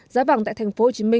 giá vàng tại tp hcm